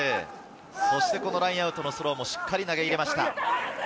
このラインアウトのスローもしっかり投げ入れました。